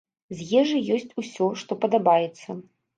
З ежы есць усё, што падабаецца.